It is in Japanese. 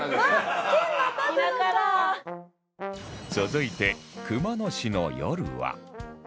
続いて熊野市の夜は